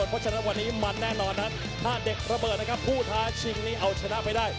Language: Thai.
เพราะฉะนั้นวันนี้มันแน่นอนนั้นถ้าเด็กระเบิดนะครับผู้ท้าชิงนี้เอาชนะไปได้